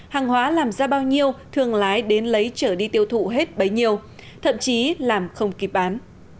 hàng hóa làm ra bao nhiêu thường lái đến lấy trở đi tiêu thụ hết bấy nhiêu thậm chí làm không kịp bán